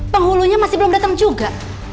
penghulunya masih belum datang juga